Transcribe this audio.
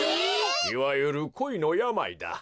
いわゆるこいのやまいだ。